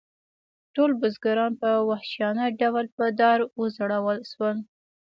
ټول بزګران په وحشیانه ډول په دار وځړول شول.